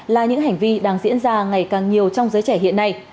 là những hành vi đang diễn ra ngày càng nhiều trong giới trẻ hiện nay